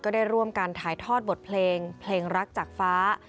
ได้ร่วมกันถ่ายทอดบทเพลงเพลงรักจากฟ้า